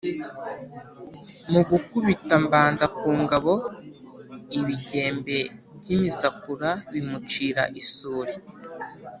mu gukubita mbanza ku ngabo ibigembe by’imisakura bimucira isuli